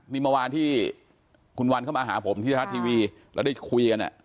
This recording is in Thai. นี่เมื่อวานที่คุณวันเข้ามาหาผมที่ไทยรัฐทีวีแล้วได้คุยกัน